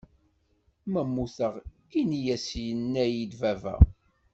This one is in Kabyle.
Ma mmuteɣ ini-as yenna-yi baba.